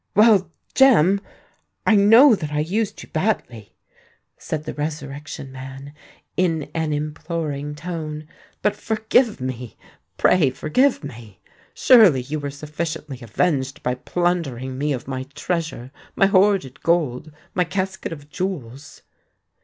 "Well, Jem—I know that I used you badly," said the Resurrection Man, in an imploring tone: "but forgive me—pray forgive me! Surely you were sufficiently avenged by plundering me of my treasure—my hoarded gold—my casket of jewels?"